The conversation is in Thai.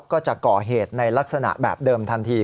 ก็จะก่อเหตุในลักษณะแบบเดิมทันที